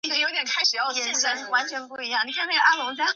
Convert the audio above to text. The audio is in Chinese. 有成百万的人染上可以预防的疾病。